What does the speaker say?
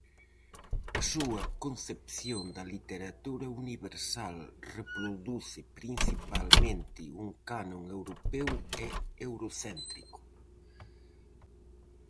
A súa concepción da literatura universal reproduce principalmente un canon europeo e eurocéntrico.